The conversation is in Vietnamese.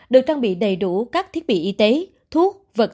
được trang bị đầy đủ các thiết bị y tế thuốc vật